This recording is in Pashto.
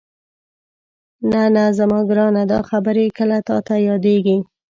نه نه زما ګرانه دا خبرې کله تاته یادېږي؟